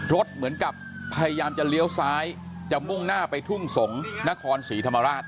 เหมือนกับพยายามจะเลี้ยวซ้ายจะมุ่งหน้าไปทุ่งสงศ์นครศรีธรรมราช